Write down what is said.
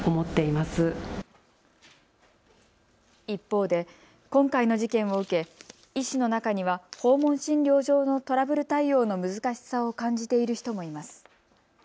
一方で今回の事件を受け医師の中には訪問診療上のトラブル対応の難しさを感じている人もいます。